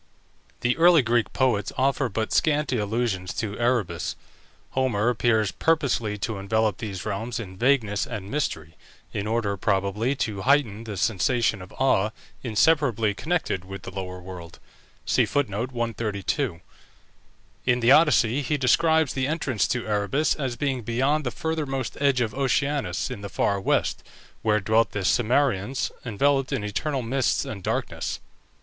The early Greek poets offer but scanty allusions to Erebus. Homer appears purposely to envelop these realms in vagueness and mystery, in order, probably, to heighten the sensation of awe inseparably connected with the lower world. In the Odyssey he describes the entrance to Erebus as being beyond the furthermost edge of Oceanus, in the far west, where dwelt the Cimmerians, enveloped in eternal mists and darkness.